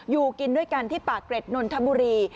อยู่กินด้วยกันที่ปากเกร็ดนนทบุรี